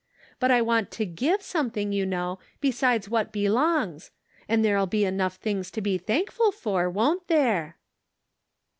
But I want to give something, you know, besides what be longs ; and there'll be enough things to be thankful for, won't there